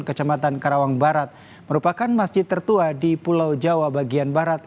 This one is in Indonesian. kecamatan karawang barat merupakan masjid tertua di pulau jawa bagian barat